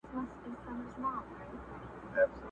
خواري دي سي مکاري، چي هم کار وکي هم ژاړي.